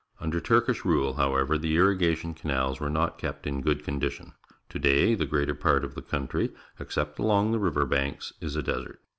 T'nder Turkish rule, however, the irrigation canals were not kept in good condition. To day the greater part of the country, except along the river banks, is a desert.